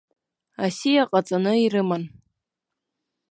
Асиа ҟаҵаны ирыман.